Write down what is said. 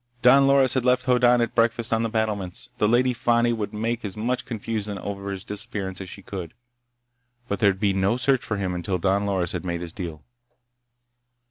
Don Loris had left Hoddan at breakfast on the battlements. The Lady Fani would make as much confusion over his disappearance as she could. But there'd be no search for him until Don Loris had made his deal.